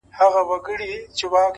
• غواړمه چي دواړي سترگي ورکړمه ـ